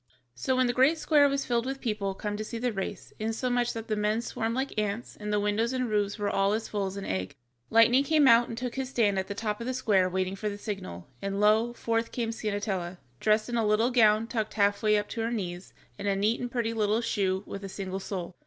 So when the great square was filled with people come to see the race, insomuch that the men swarmed like ants, and the windows and roofs were all as full as an egg, Lightning came out and took his stand at the top of the square waiting for the signal, and lo, forth came Ciennetella, dressed in a little gown tucked half way up to her knees, and a neat and pretty little shoe with a single sole.